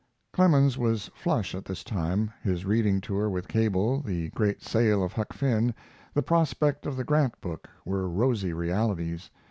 Clemens was "flush" at this time. His reading tour with Cable, the great sale of Huck Finn, the prospect of the Grant book, were rosy realities.